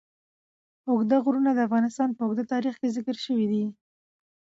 اوږده غرونه د افغانستان په اوږده تاریخ کې ذکر شوی دی.